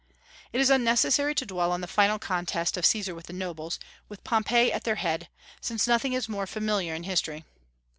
It is unnecessary to dwell on the final contest of Caesar with the nobles, with Pompey at their head, since nothing is more familiar in history.